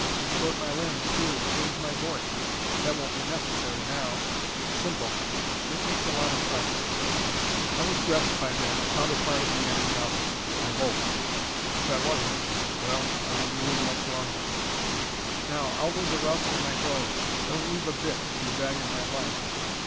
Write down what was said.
Distort my limbs too, and change my voice. That won't be necessary now. Simple, but it takes a lot of practice." I was dressed by then, a counterpart of the enemy officer I hoped. If I wasn't well, I wouldn't live much longer. "Now, out with the Russ and my clothes. Don't leave a bit, if you value my life."